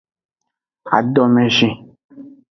Adomeji.